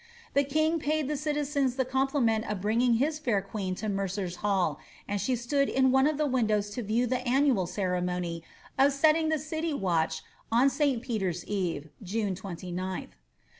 The king paid the citizens the compliment of bringing his fair queen to Mcrcer^s Hall, and she stood in one of the windows to view the annual ceremony of setting the city watch on St. Peter^s eve, June 29th.